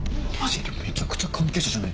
めちゃくちゃ関係者じゃない。